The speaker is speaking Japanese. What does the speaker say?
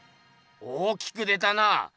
大きく出たな。